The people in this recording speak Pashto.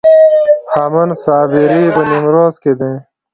هامون صابري په نیمروز کې دی